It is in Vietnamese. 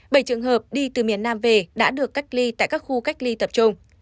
bảy trường hợp đi từ miền nam về đã được cách ly tại các khu cách ly tập trung